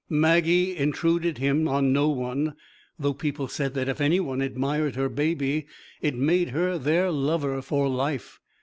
Maggie intruded him on no one, though people said that if any one admired her baby it made her their lover for life.